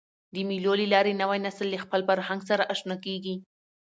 د مېلو له لاري نوی نسل له خپل فرهنګ سره اشنا کېږي.